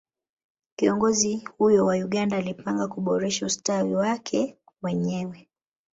kiongozi huyo wa Uganda alipanga kuboresha ustawi wake mwenyewe